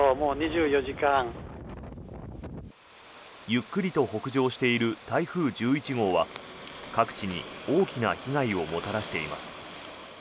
ゆっくりと北上している台風１１号は各地に大きな被害をもたらしています。